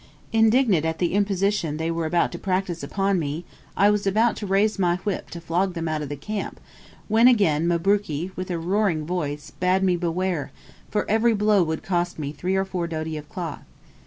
Indignant at the imposition they were about to practise upon me, I was about to raise my whip to flog them out of the camp, when again Mabruki, with a roaring voice, bade me beware, for every blow would cost me three or four doti of cloth.